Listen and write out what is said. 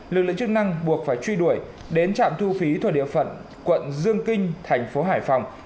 lực lượng chức năng buộc phải truy đuổi đến trạm thu phí thuộc địa phận quận dương kinh thành phố hải phòng